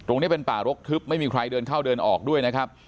ตรงนี้เป็นป่ารกทึบไม่มีใครเดินเข้าเดินออกด้วยนะครับ